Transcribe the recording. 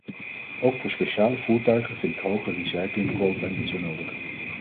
Ook voor speciale voertuigen vind ik hoge recyclingquota niet zo nodig.